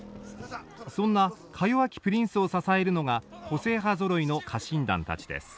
そんなかよわきプリンスを支えるのが個性派ぞろいの家臣団たちです。